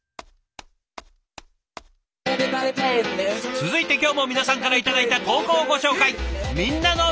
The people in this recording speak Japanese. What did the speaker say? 続いて今日も皆さんから頂いた投稿をご紹介。